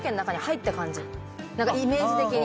なんかイメージ的に。